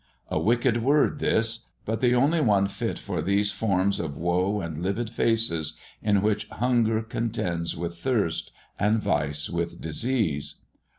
A wicked word this, but the only one fit for these forms of woe and livid faces, in which hunger contends with thirst, and vice with disease.